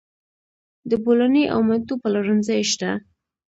د بولاني او منتو پلورنځي شته